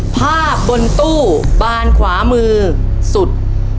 ภาพบนตู้บานขวามือสุด